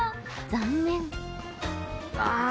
残念。